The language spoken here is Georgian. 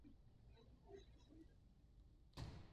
მომნელებელი სისტემა მარტივადაა აგებული.